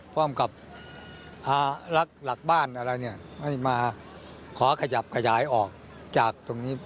พร้อมกับหลักบ้านอะไรให้มาขอขจับขยายออกจากตรงนี้